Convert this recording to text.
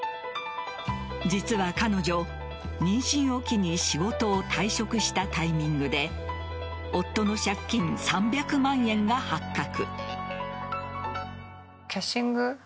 実は彼女、妊娠を機に仕事を退職したタイミングで夫の借金３００万円が発覚。